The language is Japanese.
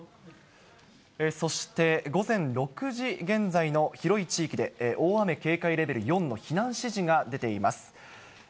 そして午前６時現在の広い地域で、大雨警戒レベル４の避難指示が出ています。